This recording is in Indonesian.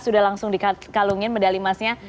sudah langsung dikalungin medali emasnya